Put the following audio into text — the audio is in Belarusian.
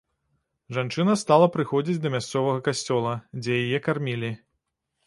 Жанчына стала прыходзіць да мясцовага касцёла, дзе яе кармілі.